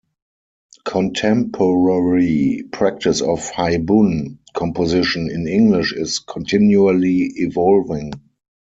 Contemporary practice of "haibun" composition in English is continually evolving.